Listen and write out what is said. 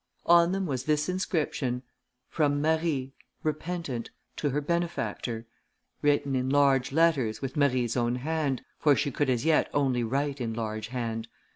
On them was this inscription: From Marie, repentant, to her benefactor, written in large letters, with Marie's own hand, for she could as yet only write in large hand.